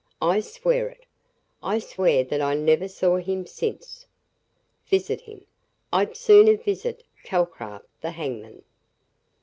I swear it. I swear that I never saw him since. Visit him! I'd sooner visit Calcraft, the hangman."